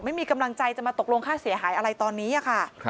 ไม่มีกำลังใจจะมาตกลงค่าเสียหายอะไรตอนนี้ค่ะ